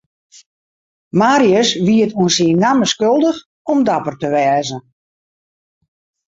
Marius wie it oan syn namme skuldich om dapper te wêze.